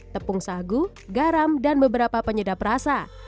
tepung sagu garam dan beberapa penyedap rasa